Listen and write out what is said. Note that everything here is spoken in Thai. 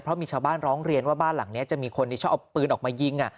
เพราะมีชาวบ้านร้องเรียนว่าบ้านหลังนี้จะมีคนที่ชอบเอาปืนออกมายิง